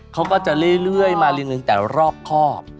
เขาก็จะเรื่อยมาเรียงแต่รอบครอบ